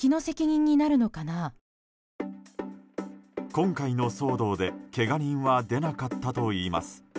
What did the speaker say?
今回の騒動でけが人は出なかったといいます。